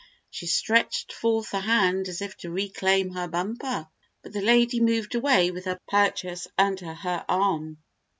She stretched forth a hand as if to reclaim her Bumper, but the lady moved away with her purchase under her arm.